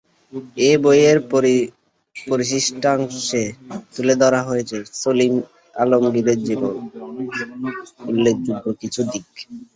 এ বইয়ের পরিশিষ্টাংশে তুলে ধরা হয়েছে সালিম আলীর জীবনের উল্লেখযোগ্য কিছু দিক।